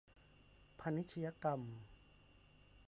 พาณิชยกรรม